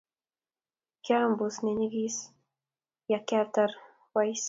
Kiambusi ne nyegis ya koatar wise